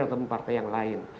atau partai yang lain